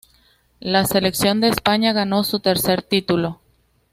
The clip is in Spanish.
La selección de España ganó su tercer título.